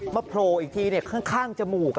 โผล่อีกทีข้างจมูก